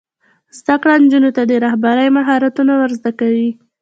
زده کړه نجونو ته د رهبرۍ مهارتونه ور زده کوي.